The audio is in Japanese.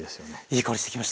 いい香りしてきました。